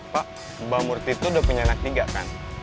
pak mbak murti itu udah punya anak tiga kan